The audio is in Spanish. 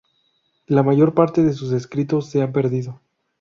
La mayor parte de sus escritos se ha perdido.